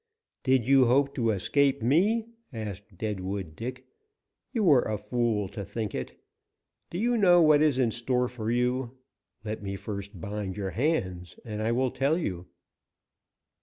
"Did you hope to escape me?" asked Deadwood Dick. "You were a fool to think it. Do you know what is in store for you? Let me first bind your hands, and I will tell you."